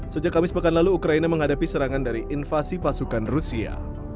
sejak kamis pekan lalu ukraina menghadapi serangan dari invasi pasukan rusia